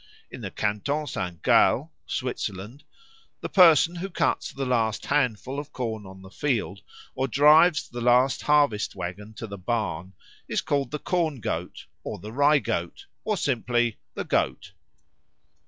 In the Canton St. Gall, Switzerland, the person who cuts the last handful of corn on the field, or drives the last harvest waggon to the barn, is called the Corn goat or the Rye goat, or simply the Goat.